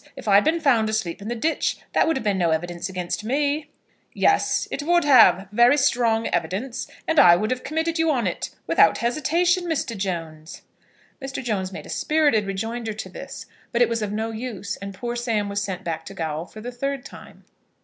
If I had been found asleep in the ditch, that would have been no evidence against me." "Yes, it would, very strong evidence; and I would have committed you on it, without hesitation, Mr. Jones." Mr. Jones made a spirited rejoinder to this; but it was of no use, and poor Sam was sent back to gaol for the third time.